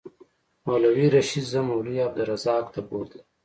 مولوي رشید زه مولوي عبدالرزاق ته بوتلم.